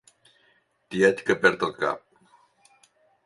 Tiet que perd el cap.